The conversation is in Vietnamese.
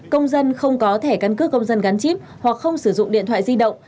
công dân không có thẻ căn cước công dân gắn chip hoặc không sử dụng điện thoại di động